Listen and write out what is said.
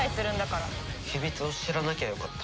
秘密を知らなきゃよかった。